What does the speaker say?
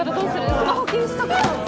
スマホ禁止とか嫌！